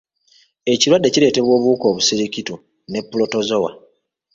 Ekirwadde kireetebwa obuwuka obusirikitu ne pulotozowa.